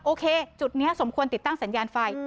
จุดนี้สมควรติดตั้งสัญญาณไฟ